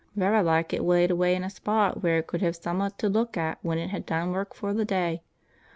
"Varra like it laid away in a spot wheear it could hev summat to luk at when it hed done wark for th' day.